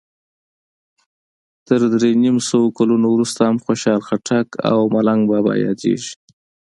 تر درې نیم سوو کلونو وروسته هم خوشال خټک او ملنګ بابا یادیږي.